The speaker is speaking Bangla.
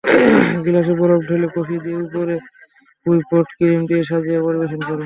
গ্লাসে বরফ ঢেলে কফি দিয়ে ওপরে হুইপড ক্রিম দিয়ে সাজিয়ে পরিবেশন করুন।